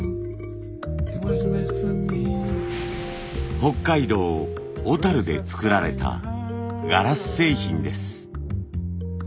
北海道小で作られたガラス製品です。